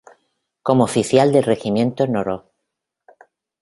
Como oficial del regimiento nro.